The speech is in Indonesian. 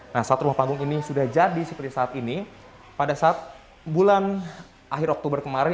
nah saat rumah panggung ini sudah jadi seperti saat ini pada saat bulan akhir oktober kemarin